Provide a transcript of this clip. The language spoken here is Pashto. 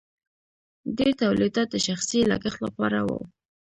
ډیر تولیدات د شخصي لګښت لپاره وو.